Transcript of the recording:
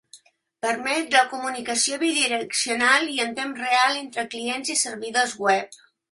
Permet la comunicació bidireccional en temps real entre clients i servidors web.